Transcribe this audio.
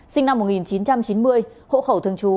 sinh năm một nghìn chín trăm chín mươi hộ khẩu thường trú